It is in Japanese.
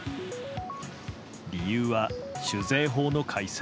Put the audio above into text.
理由は酒税法の改正。